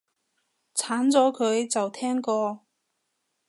鏟咗佢，就聽過